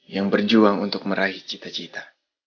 yang berjuang untuk meraih cita cita